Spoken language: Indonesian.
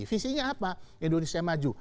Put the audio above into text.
visinya apa indonesia maju